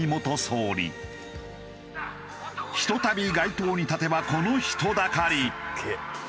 ひとたび街頭に立てばこの人だかり。